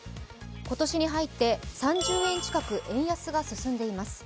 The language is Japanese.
今年に入って３０円近く円安が進んでいます。